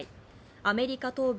アメリカ東部